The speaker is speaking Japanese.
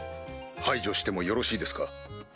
排除してもよろしいですか？